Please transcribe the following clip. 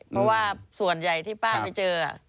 เพราะว่าส่วนใหญ่ที่ป้าไปเจอ